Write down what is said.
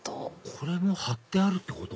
これも貼ってあるってこと？